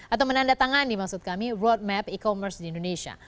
atau menandatangani maksud kami roadmap e commerce di indonesia